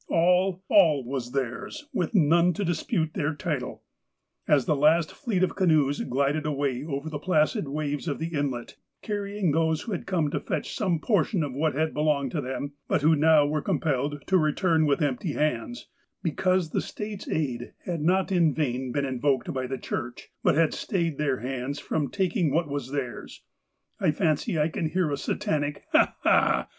All — all was theirs, with none to dispute their title. As the last fleet of canoes glided away over the placid waves of the inlet, carrying those who had come to fetch some portion of what had belonged to them, but who now were compelled to return with empty hands, because the State's aid had not in vain been invoked by the Church, but had stayed their hands from taking what was theirs, I fancy I can hear a satanic *' Ha ! Ha